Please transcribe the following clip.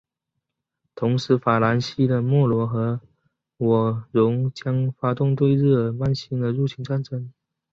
同时法兰西的莫罗和喔戌将发动对日耳曼新的入侵战役。